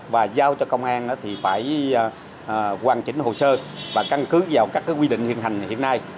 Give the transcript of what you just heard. và giao cho công an thì phải hoàn chỉnh hồ sơ và căn cứ vào các quy định hiện hành hiện nay